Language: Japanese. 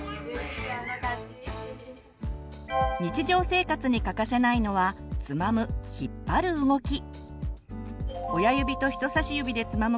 日常生活に欠かせないのはつまむ引っ張る動き。